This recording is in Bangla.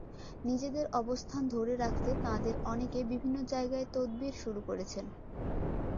নিজেদের অবস্থান ধরে রাখতে তাঁদের অনেকে বিভিন্ন জায়গায় তদবির শুরু করেছেন।